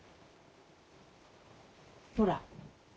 ほら。